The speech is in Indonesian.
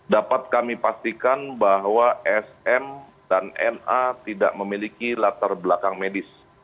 dapat kami pastikan bahwa sm dan na tidak memiliki latar belakang medis